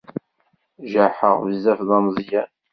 Jaḥeɣ bezzaf d ameẓyan.